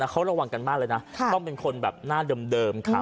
เขาระวังกันมากเลยนะต้องเป็นคนแบบหน้าเดิมค่ะ